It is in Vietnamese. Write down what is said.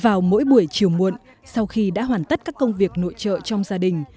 vào mỗi buổi chiều muộn sau khi đã hoàn tất các công việc nội trợ trong gia đình